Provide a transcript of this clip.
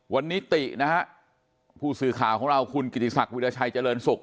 วันนี้ตินะฮะผู้สื่อข่าวของเราคุณกิติศักดิราชัยเจริญสุข